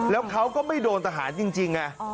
แล้วเขาก็ไม่โดนทหารจริง